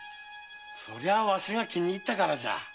そりゃあわしが気に入ったからじゃ。